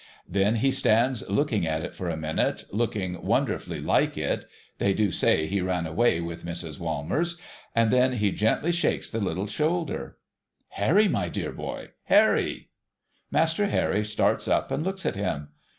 Then he stands looking at it for a minute, looking wonder fully like it (they do say he ran away with Mrs. Walmers) ; and then he gently shakes the little shoulder, ' Harry, my dear boy ! Harry !' Master Harry starts up and looks at him.